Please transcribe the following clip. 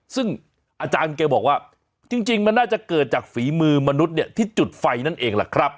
ซึ่งอาจารย์แกบอกว่าจริงมันน่าจะเกิดจากฝีมือมนุษย์เนี่ยที่จุดไฟนั่นเองล่ะครับ